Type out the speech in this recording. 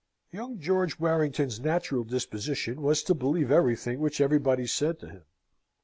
Young George Warrington's natural disposition was to believe everything which everybody said to him.